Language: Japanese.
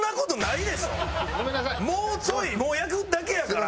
もうちょい焼くだけやから。